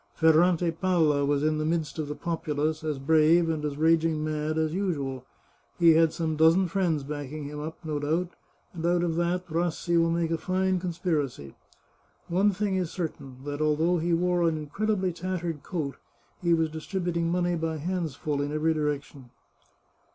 Ferrante Palla was in the midst of the populace, as brave, and as raging mad, as usual. He had some dozen friends backing him up, no doubt, and out of that Rassi will make a fine conspiracy. One thing is cer tain; that, though he wore an incredibly tattered coat, he was distributing money by handsful in every direction."